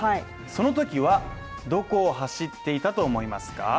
その時はどこを走っていたと思いますか。